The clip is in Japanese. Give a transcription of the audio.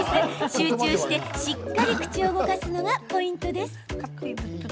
集中してしっかり口を動かすのがポイントです。